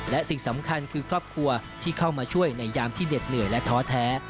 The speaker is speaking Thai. และสิ่งสำคัญคือครอบครัวที่เข้ามาช่วยในยามที่เด็ดเหนื่อยและท้อแท้